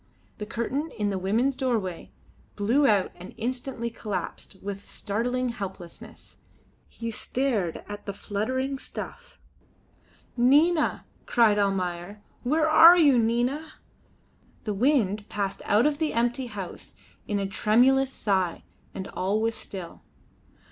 The curtain in the women's doorway blew out and instantly collapsed with startling helplessness. He stared at the fluttering stuff. "Nina!" cried Almayer. "Where are you, Nina?" The wind passed out of the empty house in a tremulous sigh, and all was still.